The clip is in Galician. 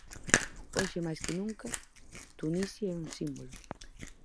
Hoxe máis que nunca, Tunisia é un símbolo.